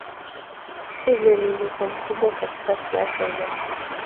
hivyo ni mwiko mkubwa katika siasa za